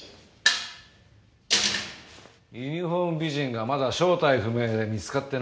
ユニホーム美人がまだ正体不明で見つかってない。